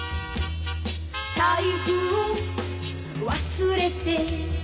「財布を忘れて」